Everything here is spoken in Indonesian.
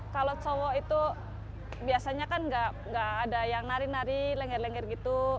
kalau cowok itu biasanya kan nggak ada yang nari nari lengger lengger gitu